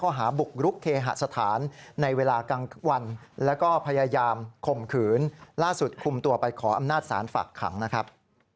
หาบุกรุกเคหสถานในเวลากลางวันแล้วก็พยายามข่มขืนล่าสุดคุมตัวไปขออำนาจศาลฝากขังนะครับ